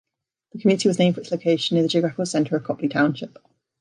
The community was named for its location near the geographical center of Copley Township.